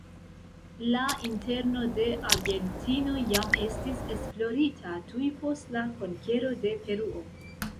La interno de Argentino jam estis esplorita tuj post la konkero de Peruo.